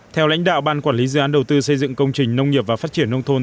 theo lãnh đạo ban quản lý dự án đầu tư xây dựng công trình nông nghiệp và phát triển nông thôn